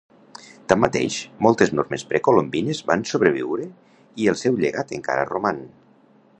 Tanmateix, moltes normes precolombines van sobreviure i el seu llegat encara roman.